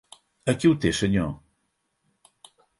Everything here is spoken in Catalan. Aquí ho té, senyor.